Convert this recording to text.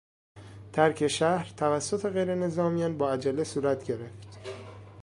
ترک شهر توسط غیرنظامیان با عجله صورت گرفت.